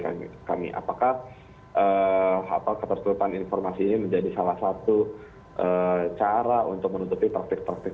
bagi kami apakah apa ketersturupan informasi ini menjadi salah satu cara untuk menutupi praktik praktik